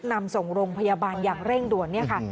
นำส่งโรงพยาบาลอย่างเร่งด่วนเนี่ยค่ะ